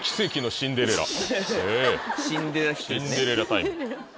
シンデレラタイム。